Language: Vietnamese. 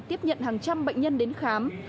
tiếp nhận hàng trăm bệnh nhân đến khám